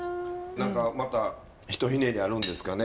何かまた一ひねりあるんですかね？